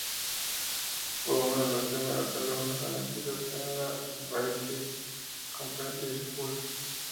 Fue uno de los primeros alumnos admitidos en la Bayside Comprehensive School.